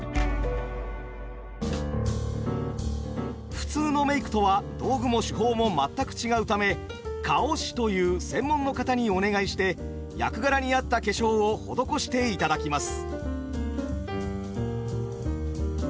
普通のメークとは道具も手法も全く違うため「顔師」という専門の方にお願いして役柄に合った化粧を施していただきます。